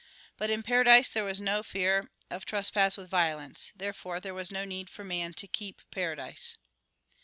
But in paradise there was no fear of trespass with violence. Therefore there was no need for man to keep paradise.